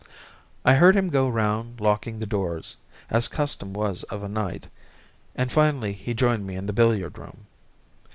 I heard him go round locking the doors, as custom was of a night, and finally he joined me in the billiard room.